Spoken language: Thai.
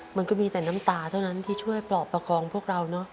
มันก็มีแต่น้ำตาเท่านั้นที่ช่วยปลอบประคองพวกเราเนอะ